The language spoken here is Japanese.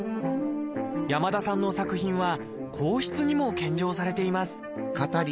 山田さんの作品は皇室にも献上されています